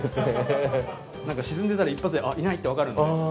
沈んでたら一発でいないってわかるんで。